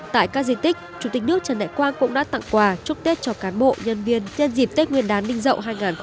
tại các di tích chủ tịch nước trần đại quang cũng đã tặng quà chúc tết cho cán bộ nhân viên nhân dịp tết nguyên đán ninh dậu hai nghìn hai mươi bốn